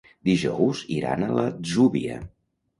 Dijous iran a l'Atzúbia.